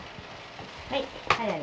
はい。